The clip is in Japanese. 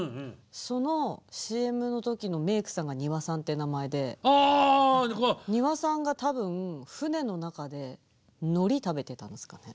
そのＣＭの時のメークさんがにわさんって名前でにわさんが多分船の中でノリ食べてたんですかね。